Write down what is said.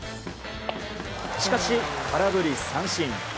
しかし、空振り三振。